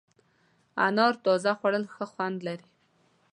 انار تازه خوړل ښه خوند لري.